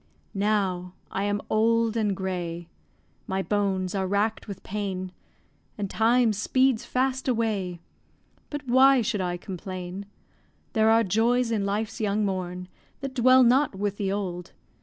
Now I am old and grey, My bones are rack'd with pain, And time speeds fast away But why should I complain? There are joys in life's young morn That dwell not with the old.